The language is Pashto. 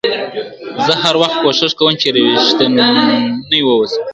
زه هر وخت کوښښ کوم چي ريښتونی واوسم.